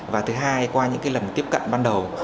và thứ hai qua những lần tiếp cận ban đầu